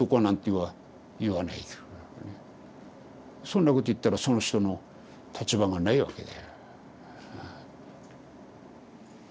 そんなこと言ったらその人の立場がないわけだよ。